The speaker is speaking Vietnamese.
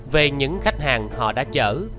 về những khách hàng họ đã chở